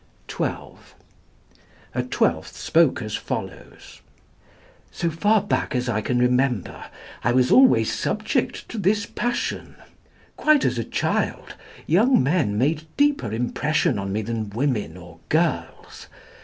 (12) A twelfth spoke as follows: "So far back as I can remember, I was always subject to this passion. Quite as a child, young men made deeper impression on me than women or girls.